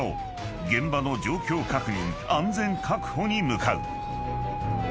［現場の状況確認安全確保に向かう］